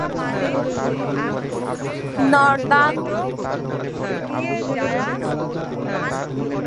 নর্দাম্পটনশায়ারের বিপক্ষে খেলাকালীন ডেভিড উইলি’র শর্ট-পিচের বাউন্সার হেলমেট পরিহিত অবস্থায় মুখে আঘাত হানে।